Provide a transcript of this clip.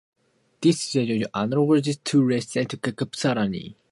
This situation is analogous to the treatments of theories of sets and classes.